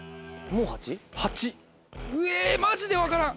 うえマジで分からん。